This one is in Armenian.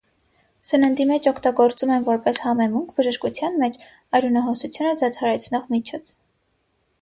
Սննդի մեջ օգտագործում են որպես համեմունք, բժշկությաև մեջ՝ արյունահոսությունը դադարեցնող միջոց։